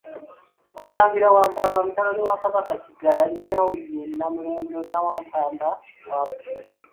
Omulangira Wampamba mutabani wa Kabaka Kiggala, nnyina ye Nnamulondo Nnawampampa wa Butiko.